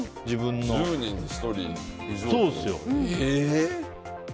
１０人に１人以上。